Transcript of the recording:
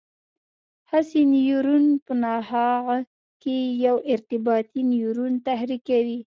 حسي نیورون په نخاع کې یو ارتباطي نیورون تحریکوي.